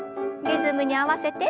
リズムに合わせて。